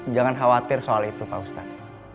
jangan khawatir soal itu pak ustadz